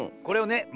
これをね